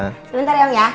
sebentar ya om ya